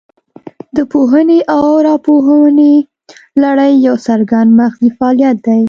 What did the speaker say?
د پوهونې او راپوهونې لړۍ یو څرګند مغزي فعالیت دی